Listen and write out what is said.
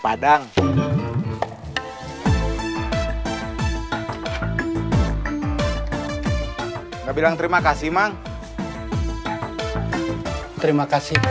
saya balik lagi ke pasar ya